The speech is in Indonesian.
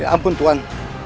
ya ampun tuhan